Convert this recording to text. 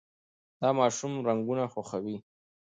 دا ماشوم رنګونه خوښوي.